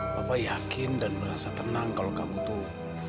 bapak yakin dan merasa tenang kalau kamu tuh